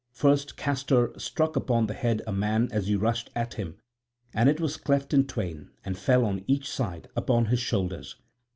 First Castor struck upon the head a man as he rushed at him: and it was cleft in twain and fell on each side upon his shoulders.